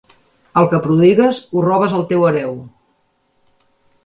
El que prodigues, ho robes al teu hereu.